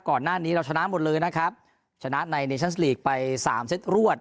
ก่อนหน้านี้เราชนะหมดเลยนะครับชนะในเนชั่นลีกไปสามเซตรวด